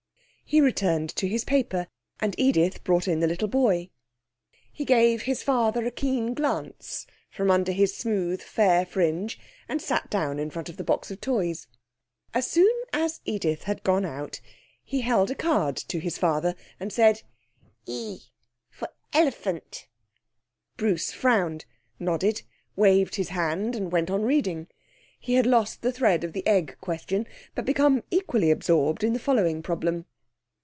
He returned to his paper, and Edith brought in the little boy. He gave his father a keen glance from under his smooth, fair fringe and sat down in front of the box of toys. As soon as Edith had gone he held out a card to his father, and said 'E for efalunt.' Bruce frowned, nodded, waved his hand, and went on reading. He had lost the thread of the Egg Question, but became equally absorbed in the following problem.